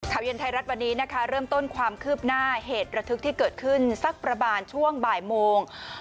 เย็นไทยรัฐวันนี้นะคะเริ่มต้นความคืบหน้าเหตุระทึกที่เกิดขึ้นสักประมาณช่วงบ่ายโมง